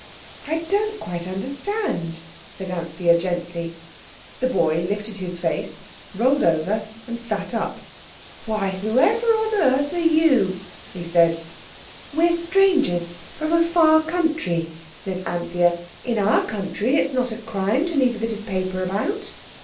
"I don't quite understand," said Anthea, gently. The boy lifted his face, rolled over, and sat up. "Why, whoever on earth are you?" he said. "We're strangers from a far country," said Anthea. "In our country it's not a crime to leave a bit of paper about."